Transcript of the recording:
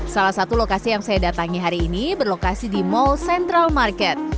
salah satu lokasi yang saya datangi hari ini berlokasi di mall central market